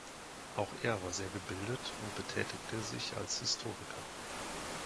Auch er war sehr gebildet und betätigte sich als Historiker.